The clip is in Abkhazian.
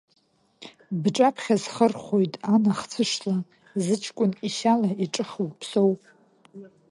Бҿаԥхьа схырхәоит, ан ахцәышла, зыҷкәын ишьала иҿыху Ԥсоу.